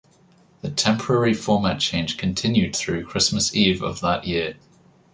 The temporary format change continued through Christmas Eve of that year.